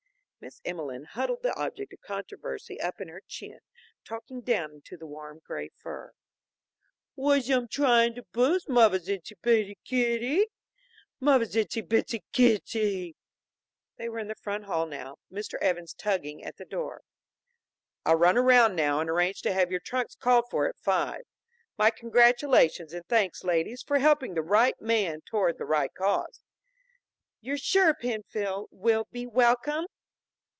Miss Emelene huddled the object of controversy up in her chin, talking down into the warm gray fur. "Was 'em tryin' to 'buse muvver's ittsie bittsie kittsie? Muvver's ittsie bittsie kittsie!" They were in the front hall now, Mr. Evans tugging at the door. "I'll run around now and arrange to have your trunks called for at five. My congratulations and thanks, ladies, for helping the right man toward the right cause." "You're sure, Penfield, we'll be welcome?"